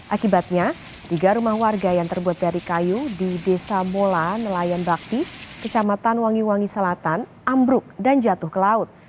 akibatnya tiga rumah warga yang terbuat dari kayu di desa mola nelayan bakti kecamatan wangi wangi selatan ambruk dan jatuh ke laut